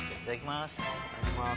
いただきます。